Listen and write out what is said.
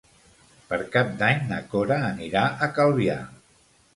Per Cap d'Any na Cora anirà a Calvià.